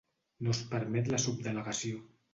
No es permet la subdelegació.